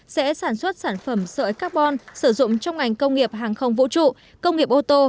sẽ sản xuất sản phẩm sợi carbon sử dụng trong ngành công nghiệp hàng không vũ trụ công nghiệp ô tô